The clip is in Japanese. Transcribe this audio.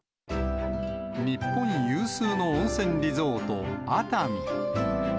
日本有数の温泉リゾート、熱海。